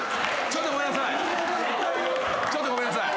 ちょっとごめんなさい。